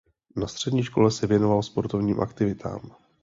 Na střední škole se věnoval sportovním aktivitám.